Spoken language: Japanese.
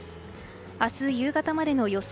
明日夕方までの予想